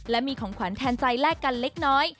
และมีของขวัญแทนใจแลกกันเล็กน้อย